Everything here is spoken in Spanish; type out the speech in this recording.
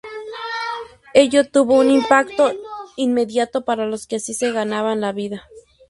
Ello tuvo un impacto inmediato para los que así se ganaban la vida.